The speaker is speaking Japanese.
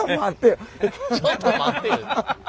ちょっと待ってよ。